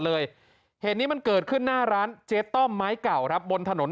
เหตุนี้มันเกิดขึ้นหน้าร้านเจ๊ต้อมไม้เก่าครับบนถนน